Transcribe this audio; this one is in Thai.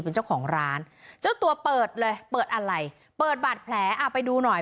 เป็นเจ้าของร้านเจ้าตัวเปิดเลยเปิดอะไรเปิดบาดแผลอ่ะไปดูหน่อย